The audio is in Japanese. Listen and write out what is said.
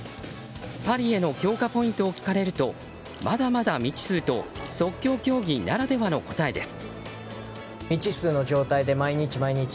パリへの強化ポイントを聞かれるとまだまだ未知数と即興競技ならではの答えです。